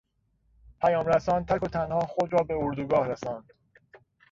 پیام رسان تک و تنها خود را به اردوگاه رساند.